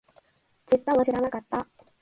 ちっとも知らなかった